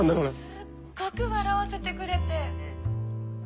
すっごく笑わせてくれて。